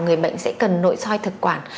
người bệnh sẽ cần nội soi thực quản